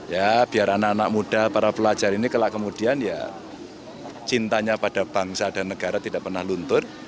ya biar anak anak muda para pelajar ini kelah kemudian ya cintanya pada bangsa dan negara tidak pernah luntur